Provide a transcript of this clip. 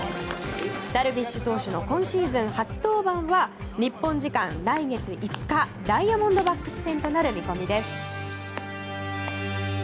ダルビッシュ投手の今シーズン初登板は日本時間来月５日ダイヤモンドバックス戦となる見込みです。